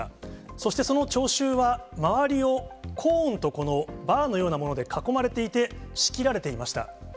そしてその聴衆は、周りを、コーンと、このバーのようなもので囲まれていて、仕切られていました。